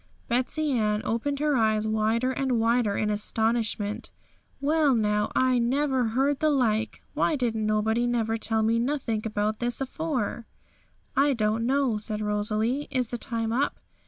Betsey Ann opened her eyes wider and wider in astonishment. 'Well, now, I never heard the like! Why didn't nobody never tell me nothink about it afore?' 'I don't know,' said Rosalie. 'Is the time up?'